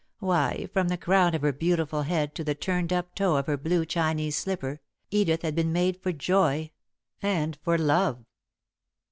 Why, from the crown of her beautiful head to the turned up toe of her blue Chinese slipper, Edith had been made for joy and for love.